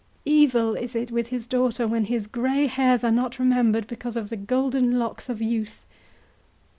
evil is it with his daughter, when his grey hairs are not remembered because of the golden locks of youth!